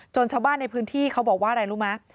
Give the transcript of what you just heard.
ชาวบ้านในพื้นที่เขาบอกว่าอะไรรู้ไหม